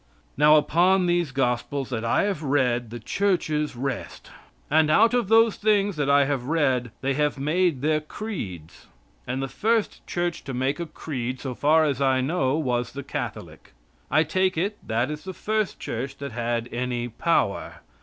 Now upon these gospels that I have read the churches rest; and out of those things that I have read they have made their creeds. And the first Church to make a creed, so far as I know, was the Catholic. I take it that is the first Church that had any power.